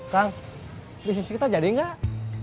kang bisnis kita jadi enggak